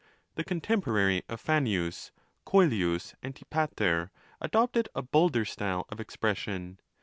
The contemporary of Fannius, Ccelius Antipater, adopted a bolder style of expression.